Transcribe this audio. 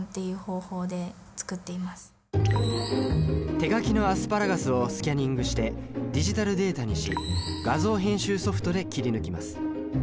手描きのアスパラガスをスキャニングしてディジタルデータにし画像編集ソフトで切り抜きます。